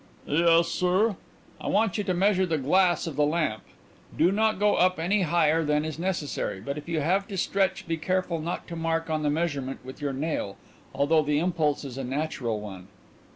"Yes, sir." "I want you to measure the glass of the lamp. Do not go up any higher than is necessary, but if you have to stretch be careful not to mark on the measurement with your nail, although the impulse is a natural one.